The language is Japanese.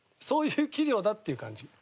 そういう器量だっていう感じ。